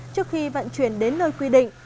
trước khi vận chuyển đến nơi quy định